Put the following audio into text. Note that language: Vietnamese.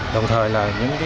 đồng thời là